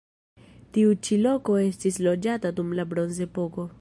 Tiu ĉi loko estis loĝata dum la bronzepoko.